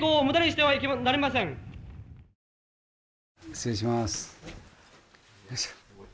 失礼します。